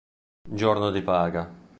Giorno di paga